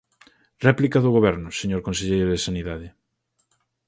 Réplica do Goberno, señor conselleiro de Sanidade.